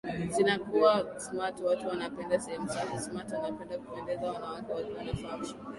sinakuwa smart watu wanapenda sehemu safi smart wanapenda kupendeza wanawake wakiwa na function